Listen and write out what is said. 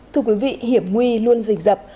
thưa quý vị hiểm nguy luôn dình dập